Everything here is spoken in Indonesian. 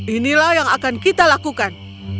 inilah yang akan kita lakukan